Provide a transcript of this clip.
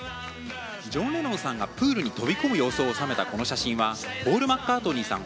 ジョン・レノンさんがプールに飛び込む様子を収めた、この写真はポール・マッカートニーさん